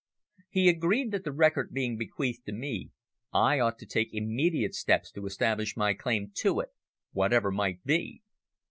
He agreed that the record being bequeathed to me, I ought to take immediate steps to establish my claim to it, whatever might be.